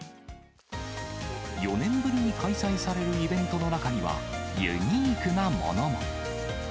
４年ぶりに開催されるイベントの中には、ユニークなものも。